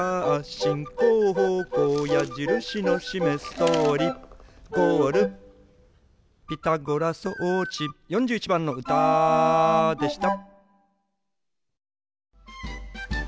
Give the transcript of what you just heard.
「しんこうほうこうやじるしのしめすとおり」「ゴール」「ピタゴラそうち４１ばんのうたでした」